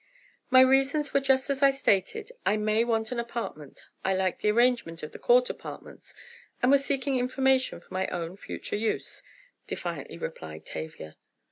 "My reasons were just as I stated—I may want an apartment—I liked the arrangement of the Court Apartments, and was seeking information for my own future use," defiantly replied Tavia.